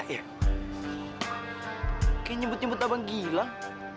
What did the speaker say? kayak nyebut nyebut abang gilang